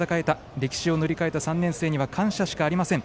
歴史を塗り替えた３年生には感謝しかありません。